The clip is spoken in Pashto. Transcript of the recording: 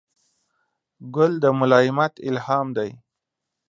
ګل د ملایمت الهام دی.